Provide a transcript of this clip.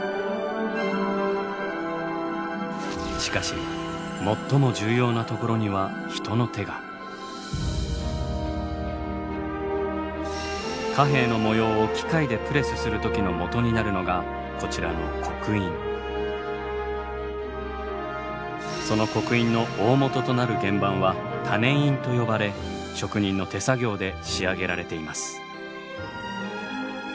しかし最も貨幣の模様を機械でプレスする時の元になるのがこちらのその極印の大本となる原盤は種印と呼ばれ職人の手作業で仕上げられています。